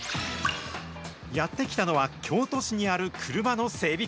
やって来たのは、京都市にある車の整備